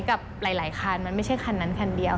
กับหลายคันมันไม่ใช่คันนั้นคันเดียว